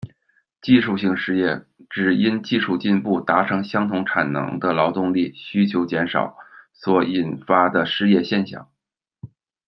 技术性失业，指因技术进步，达成相同产能的劳动力需求减少，所引发的失业现象。